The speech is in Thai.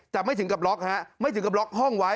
แต่ไม่ถึงกับล็อกฮะไม่ถึงกับล็อกห้องไว้